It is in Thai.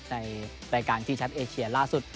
ในรายการที่แชมป์เอเชียล่าสุด